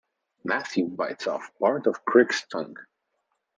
Matthew bites off part of Crick's tongue.